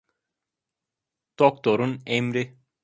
Doktorun emri.